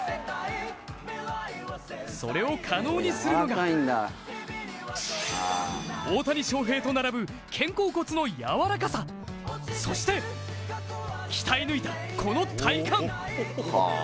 それを可能にするのが大谷翔平と並ぶ肩甲骨の柔らかさ、そして鍛え抜いた、この体幹。